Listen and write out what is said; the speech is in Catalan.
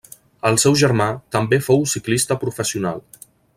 El seu germà també fou ciclista professional.